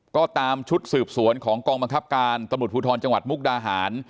ก็ตามชุดสืบสวนของกองบังคับการตำรวจภูทรจังหวัดมุกดาหาร